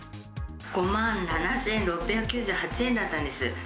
５万７６９８円だったんです。